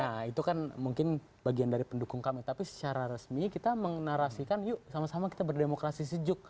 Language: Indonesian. ya itu kan mungkin bagian dari pendukung kami tapi secara resmi kita menarasikan yuk sama sama kita berdemokrasi sejuk